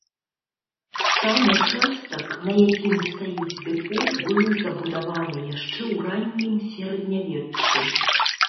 Сам участак, на якім стаіць дэпо, быў забудаваны яшчэ ў раннім сярэднявеччы.